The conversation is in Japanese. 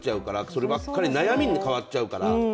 そればっかり、悩みに変わっちゃうから。